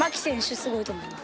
すごいと思います。